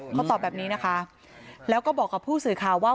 เขาตอบแบบนี้นะคะแล้วก็บอกกับผู้สื่อข่าวว่า